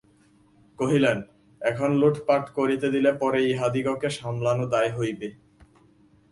কহিলেন, এখন লুঠপাট করিতে দিলে পরে ইহাদিগকে সামলানো দায় হইবে।